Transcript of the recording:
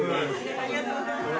ありがとうございます。